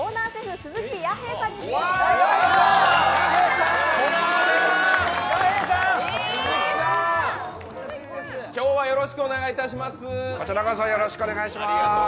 鈴木さん、今日はよろしくお願いいたします。